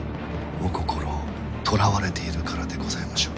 お心をとらわれているからでございましょう。